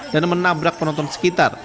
dan menabrak penontonnya